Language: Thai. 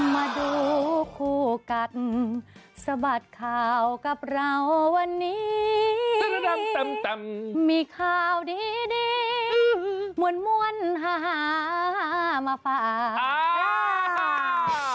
มาดูคู่กัดสบัตรข่าวกับเราวันนี้มีข้าวดีมวลมาฝาก